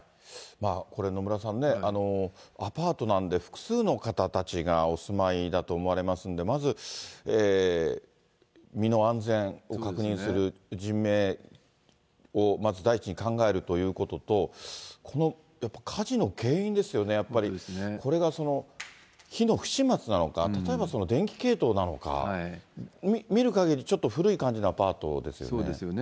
これ、野村さんね、アパートなんで、複数の方たちがお住まいだと思われますんで、まず身の安全を確認する、人命をまず第一に考えるということと、このやっぱり火事の原因ですよね、やっぱり、これが火の不始末なのか、例えば電気系統なのか、見るかぎりちょっと古い感じのアパートですよね。